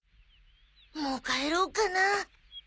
もう帰ろうかな。